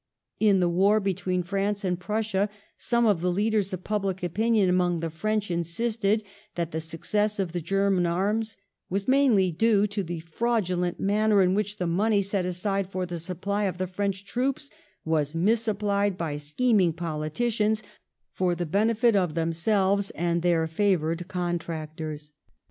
In the war between France and Prussia, some of the leaders of public opinion among the French insisted that the success of the German arms was mainly due to the fraudulent manner in which the money set aside for the supply of the French troops was misapplied by scheming politicians for the benefit of themselves and their favoured contractors.